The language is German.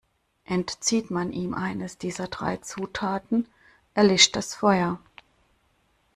Entzieht man ihm eines dieser drei Zutaten, erlischt das Feuer.